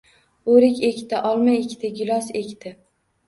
O’rik ekdi. Olma ekdi. Gilos ekdi.